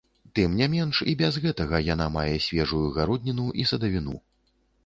Тым не менш і без гэтага яна мае свежую гародніну і садавіну.